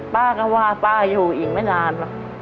ป้าก็ว่าป้าอยู่อีกไม่นาน